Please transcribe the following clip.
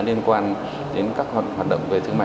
nên quan đến các hoạt động về thương mại